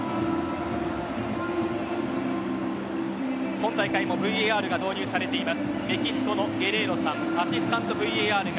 今大会もＶＡＲが導入されています。